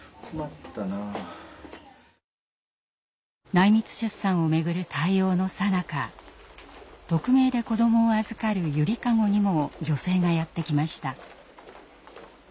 内密出産を巡る対応のさなか匿名で子どもを預かる「ゆりかご」にも女性がやって来ました。